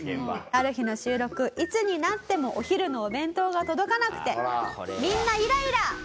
ある日の収録いつになってもお昼のお弁当が届かなくてみんなイライラ！